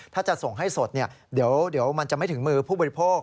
ถ้าจะส่งให้สดเดี๋ยวมันจะไม่ถึงมือผู้บริโภค